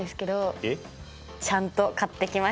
えっ？ちゃんと買ってきましたよ。